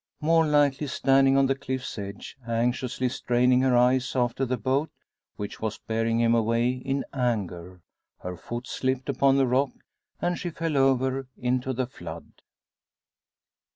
More likely standing on the cliff's edge, anxiously straining her eyes after the boat which was bearing him away in anger, her foot slipped upon the rock, and she fell over into the flood.